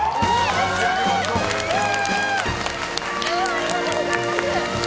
ありがとうございます！